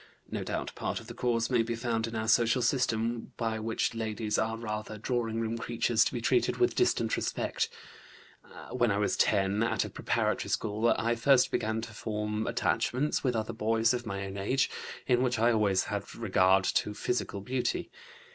(No doubt, part of the cause may be found in our social system, by which ladies are rather drawing room creatures to be treated with distant respect.) When I was 10, at a preparatory school, I first began to form attachments with other boys of my own age, in which I always had regard to physical beauty.